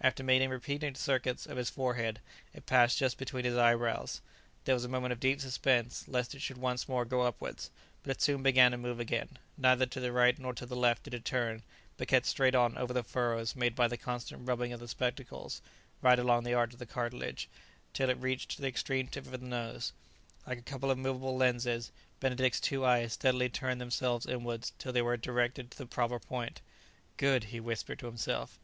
After making repeated circuits of his forehead, it passed just between his eyebrows; there was a moment of deep suspense lest it should once more go upwards; but it soon began to move again; neither to the right nor to the left did it turn, but kept straight on over the furrows made by the constant rubbing of the spectacles, right along the arch of the cartilage till it reached the extreme tip of the nose. Like a couple of movable lenses, Benedict's two eyes steadily turned themselves inwards till they were directed to the proper point. [Illustration: Before long the old black speck was again flitting just above his head. Page 432.] "Good!" he whispered to himself.